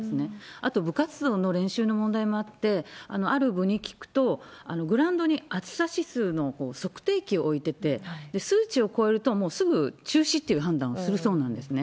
あと、部活動の練習の問題もあって、ある部に聞くと、グラウンドに暑さ指数の測定器を置いてて、数値を超えるとすぐ中止という判断をするそうなんですね。